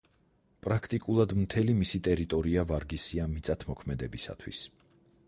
პრაქტიკულად მთელი მისი ტერიტორია ვარგისია მიწათმოქმედებისათვის.